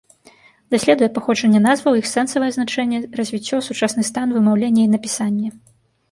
Даследуе паходжанне назваў, іх сэнсавае значэнне, развіццё, сучасны стан, вымаўленне і напісанне.